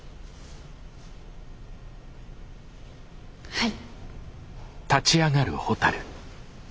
はい。